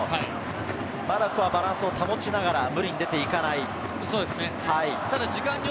まだバランスを保ちながら無理に出ていかない。